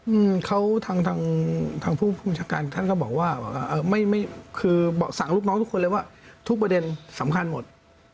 อืมเขาทางทางทางผู้บัญชาการท่านก็บอกว่าเอ่อไม่ไม่คือสั่งลูกน้องทุกคนเลยว่าทุกประเด็นสำคัญหมด